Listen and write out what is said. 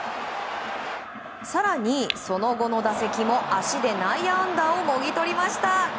更に、その後の打席も足で内野安打をもぎ取りました。